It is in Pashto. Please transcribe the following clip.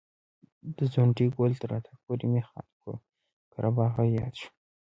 د ځونډي ګل تر راتګ پورې مې خان قره باغي یاد شو.